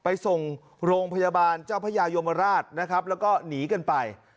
ไปส่งโรงพยาบาลเจ้าพระยายมราชนะครับแล้วก็หนีกันไป